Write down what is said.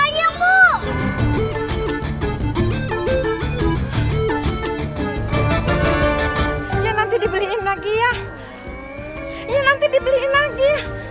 ya nanti dibeliin lagi ya ini nanti dibeliin lagi